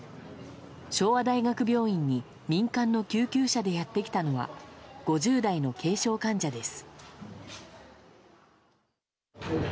昭和大学病院に民間の救急車でやってきたのは５０代の軽症患者です。